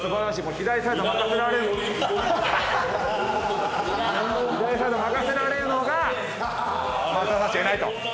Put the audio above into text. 左サイド任せられるのが松田さんしかいないと。